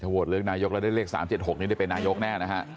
โหวตเลือกนายกแล้วได้เลข๓๗๖นี้ได้เป็นนายกแน่นะฮะ